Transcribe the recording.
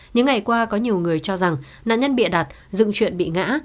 những ngày qua có nhiều người cho rằng nạn nhân bị ả đặt dựng chuyện bị ngã